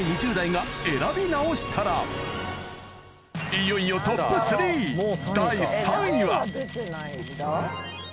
いよいよトップスリー第３位は？